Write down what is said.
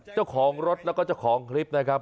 เจ้าของรถแล้วก็เจ้าของคลิปนะครับ